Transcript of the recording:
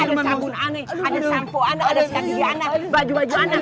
ada sabun anak ada shampoo anak ada sikap gigi anak baju baju anak